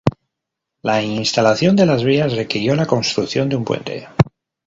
La instalación de las vías requirió la construcción de un puente.